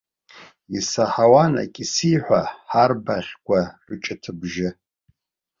Исаҳауан акисиҳәа ҳарбаӷьқәа рҿыҭыбжьы.